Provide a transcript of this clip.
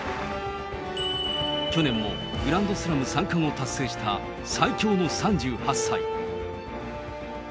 去年もグランドスラム３冠を達成した最強の３８歳。